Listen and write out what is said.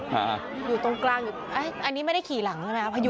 อยู่ตรงกลางอันนี้ไม่ได้ขี่หลังนะครับพยุง